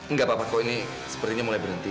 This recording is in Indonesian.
enggak apa apa kok ini sepertinya mulai berhenti